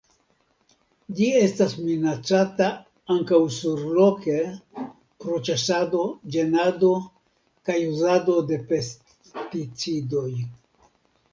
Ĝi estas minacata ankaŭ surloke pro ĉasado, ĝenado kaj uzado de pesticidoj.